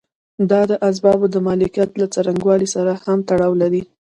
دا د اسبابو د مالکیت له څرنګوالي سره هم تړاو لري.